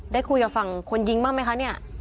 ได้คุยกับฝั่งคนยิงบ้างไหมคะเนี่ย